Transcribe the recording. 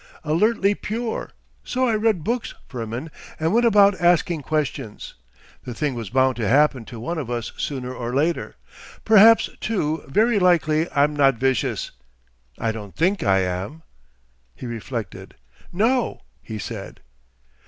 Alertly pure.... So I read books, Firmin, and went about asking questions. The thing was bound to happen to one of us sooner or later. Perhaps, too, very likely I'm not vicious. I don't think I am.' He reflected. 'No,' he said.